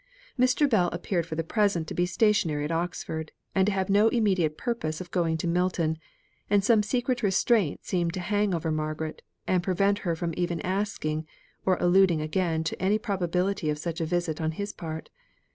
Mr. Bell appeared for the present to be stationary at Oxford, and to have no immediate purpose of going to Milton, and some secret restraint seemed to hang over Margaret, and prevent her from even asking, or alluding again to any probability of such a visit on his part.